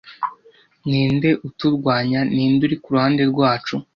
Ni nde uturwanya? Ninde uri ku ruhande rwacu?